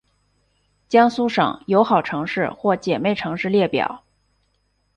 江苏省友好城市或姐妹城市列表